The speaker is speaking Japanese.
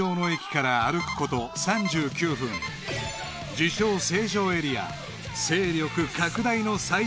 ［自称成城エリア］